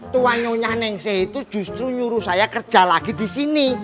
tuanyonya neng seh itu justru nyuruh saya kerja lagi disini